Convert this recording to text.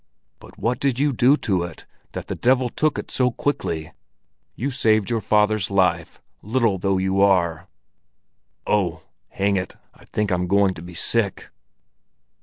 But what did you do to it, that the devil took it so quickly? You saved your father's life, little though you are. Oh, hang it! I think I'm going to be sick!